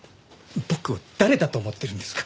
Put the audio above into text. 僕を誰だと思ってるんですか？